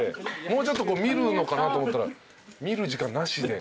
もうちょっと見るのかなと思ったら見る時間なしで。